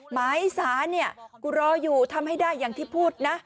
หมายสารเนี่ยกูรออยู่ทำให้ได้อย่างที่พูดนะ